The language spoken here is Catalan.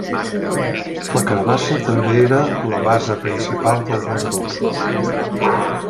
La carabassa també era la base principal d’alguns dolços.